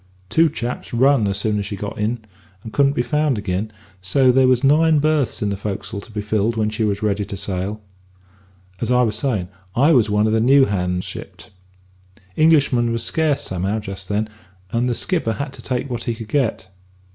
Two chaps run as soon as she got in, and couldn't be found agin; so there was nine berths in the fo'c'sle to be filled when she was ready to sail. As I was savin', I was one of the new hands shipped. Englishmen was scarce somehow just then, and the skipper had to take what he could get.